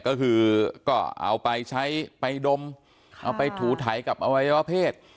ก็คือก็เอาไปใช้ไปดมเอาไปถูไถกับอวัยวะเพศ